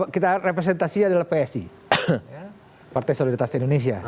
kita representasinya adalah psi partai solidaritas indonesia